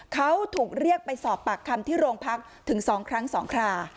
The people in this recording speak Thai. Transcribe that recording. เขาถูกเรียกไปสอบปากคำที่โรงพักถึง๒ครั้ง๒ครา